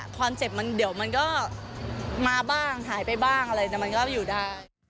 ความเจ็บมันเดี๋ยวมันก็มาบ้างหายไปบ้างอะไรแต่มันก็อยู่ได้